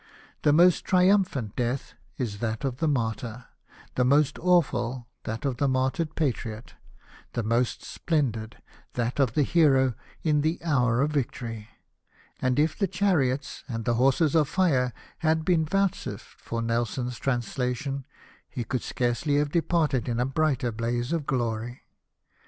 The most triumphant death is that of the martyr ; the most awful, that of the martyred patriot ; the most splendid, that of the hero in the hour of victory; and if the chariots and the horses of fire had been vouchsafed for Nelson's trans lation, he could scarcely have departed in a brighter blaze of glory.